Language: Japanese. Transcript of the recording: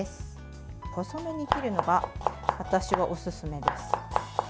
細めに切るのが私はおすすめです。